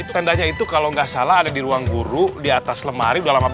tendanya itu kalau enggak salah ada di ruang guru di atas lemari dalam apa